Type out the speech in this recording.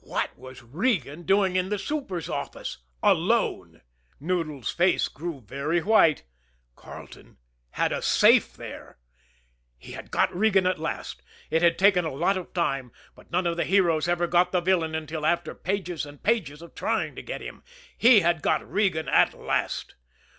What was Regan doing in the super's office alone! Noodles' face grew very white Carleton had a safe there he had got Regan at last! It had taken a lot of time, but none of the heroes ever got the villain until after pages and pages of trying to get him. He had got Regan at last!